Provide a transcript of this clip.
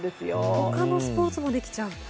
他のスポーツもできちゃう。